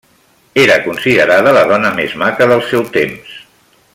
Era considerada la dona més maca del seu temps.